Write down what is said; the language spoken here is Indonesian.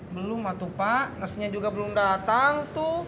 belum atuh pak nesnya juga belum datang